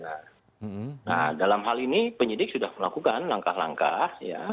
nah dalam hal ini penyidik sudah melakukan langkah langkah